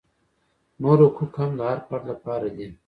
نور حقوق هم د هر فرد لپاره دي.